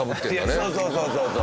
そうそうそうそうそう。